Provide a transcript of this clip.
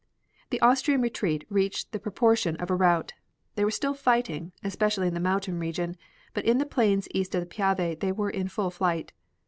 The Austrian retreat reached the proportion of a rout. They were still fighting, especially in the mountain region, but in the plains east of the Piave they were in full flight.